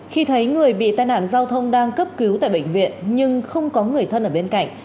khi thấy người bị tai nạn giao thông đang cấp cứu tại bệnh viện nhưng không có người thân ở bên cạnh